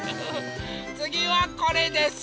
つぎはこれです。